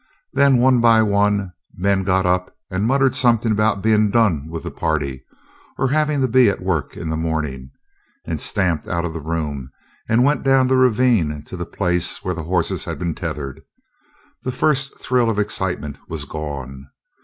Then one by one men got up and muttered something about being done with the party, or having to be at work in the morning, and stamped out of the room and went down the ravine to the place where the horses had been tethered. The first thrill of excitement was gone.